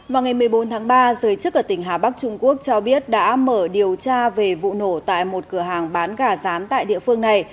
vào ngày một mươi bốn tháng ba giới chức ở tỉnh hà bắc trung quốc cho biết đã mở điều tra về vụ nổ tại một cửa hàng bán gà rán tại địa phương này